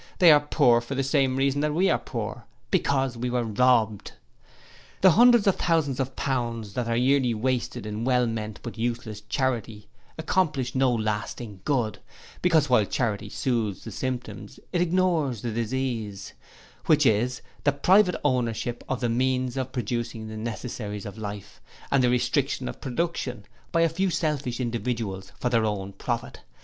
They are poor for the same reason that we are poor Because we are Robbed. 'The hundreds of thousands of pounds that are yearly wasted in well meant but useless charity accomplish no lasting good, because while charity soothes the symptoms it ignores the disease, which is the PRIVATE OWNERSHIP of the means of producing the necessaries of life, and the restriction of production, by a few selfish individuals for their own profit.